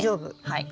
はい。